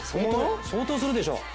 相当するでしょ？